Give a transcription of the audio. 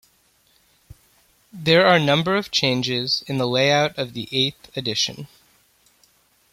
There are number of changes in the layout of the eighth edition.